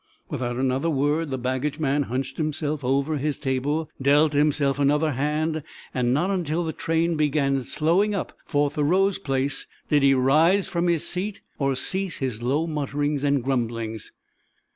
Without another word the baggage man hunched himself over his table, dealt himself another hand, and not until the train began slowing up for Thoreau's place did he rise from his seat or cease his low mutterings and grumblings.